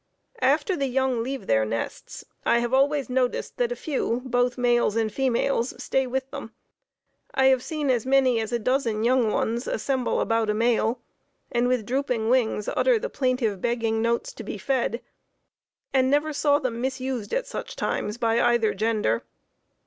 After the young leave their nests, I have always noticed that a few, both males and females, stay with them. I have seen as many as a dozen young ones assemble about a male, and, with drooping wings, utter the plaintive begging notes to be fed, and never saw them misused at such times by either gender.